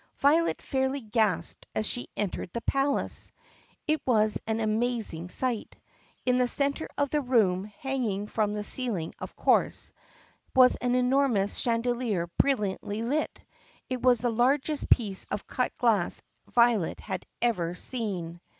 Violet fairly gasped as she entered the palace. It was an amazing sight. In the center of the room — hanging from the ceiling of course — was an enormous chandelier brilliantly lit. It was the largest piece of cut glass Violet had ever seen.